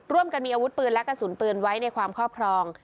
ร่วมกันมีอาวุธปืนและกระสุนปืนไว้ในความครอบครอง